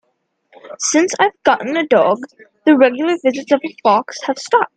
Since I've gotten a dog, the regular visits of the fox have stopped.